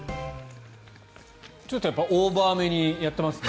ちょっとオーバーめにやってますね。